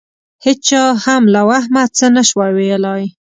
هېچا هم له وهمه څه نه شوای ویلای.